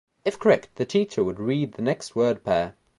If correct, the teacher would read the next word pair.